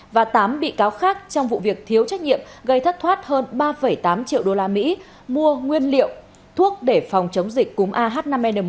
và tám bị cáo khác trong vụ việc thiếu trách nhiệm gây thất thoát hơn ba tám triệu usd mua nguyên liệu thuốc để phòng chống dịch cúng ah năm n một